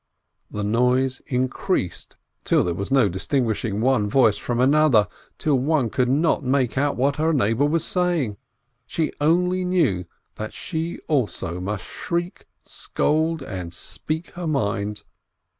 The noise increased, till there was no distinguishing one voice from another, till one could not make out what her neighbor was saying: she only knew that she also must shriek, scold, and speak her mind.